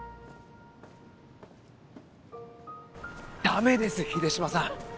ダメです秀島さん